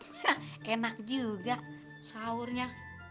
hah enak juga sahurnya